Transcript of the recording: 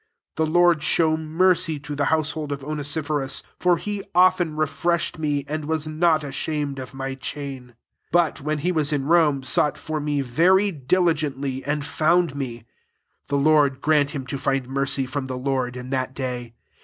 16 The Lord show mercy to the household of Onesiphorus : for he often refreshed me, and was not ashamed of my chain ; 17 but, when he was in Rome, sought for me very diligently, and found me* 18 (The Lord grjint him to find mercy from the Lord in that day.)